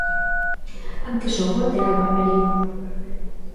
Antes o gol de Alba Merino.